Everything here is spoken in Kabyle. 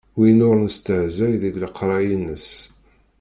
Win ur nestehzay deg leqray-ines.